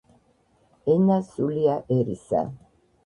ენა, სულია ერისა